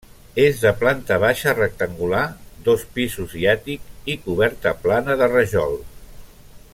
És de planta baixa rectangular, dos pisos i àtic, i coberta plana de rajol.